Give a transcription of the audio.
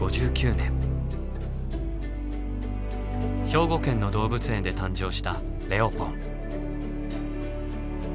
兵庫県の動物園で誕生した「レオポン」。